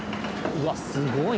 うわすごい！